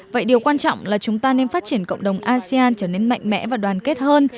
vậy điều quan trọng là chúng ta nên phát triển cộng đồng asean trở nên mạnh mẽ và đoàn kết hơn